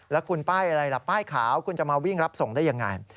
แล้วคุณป้ายอะไรล่ะป้ายขาวคุณจะมาวิ่งรับส่งได้ยังไง